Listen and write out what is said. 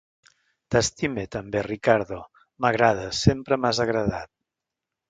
T'estime també, Riccardo... m'agrades, sempre m'has agradat...